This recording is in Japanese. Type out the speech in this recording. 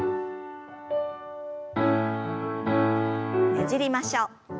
ねじりましょう。